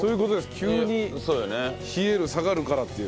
急に冷える下がるからっていう。